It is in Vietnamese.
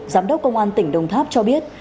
giám đốc công an tỉnh đồng tháp cho biết